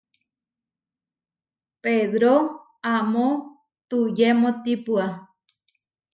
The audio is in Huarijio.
Pedró amó tuyemótipua.